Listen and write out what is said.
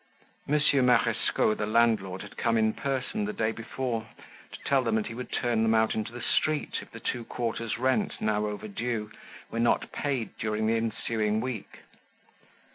Monsieur Marescot, the landlord had come in person the day before to tell them that he would turn them out into the street if the two quarters' rent now overdue were not paid during the ensuing week.